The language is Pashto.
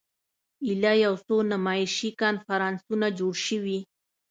ایله یو څو نمایشي کنفرانسونه جوړ شوي.